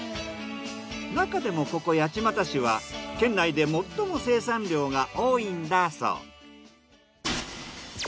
なかでもここ八街市は県内で最も生産量が多いんだそう。